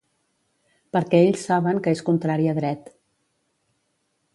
Perquè ells saben que és contrari a dret.